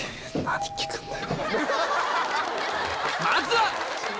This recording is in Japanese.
まずは！